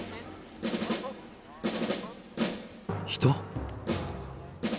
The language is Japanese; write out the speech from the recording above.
人？